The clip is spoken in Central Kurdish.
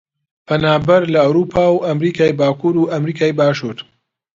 پەنابەر لە ئەورووپا و ئەمریکای باکوور و ئەمریکای باشوور